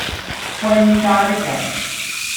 歸家的人